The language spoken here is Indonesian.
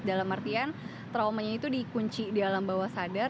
dalam artian traumanya itu dikunci di alam bawah sadar